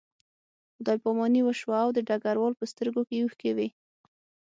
خدای پاماني وشوه او د ډګروال په سترګو کې اوښکې وې